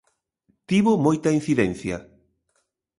Tivo moita incidencia.